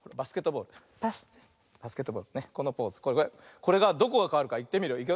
これがどこがかわるかいってみるよ。